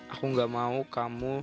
aku gak mau kamu